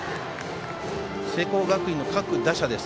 聖光学院の各打者